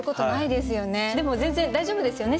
でも全然大丈夫ですよね？